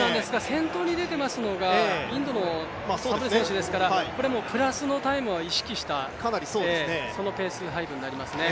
先頭に出ていますのがインドのサブレ選手ですからプラスのタイムは意識したそのペース配分になりますね。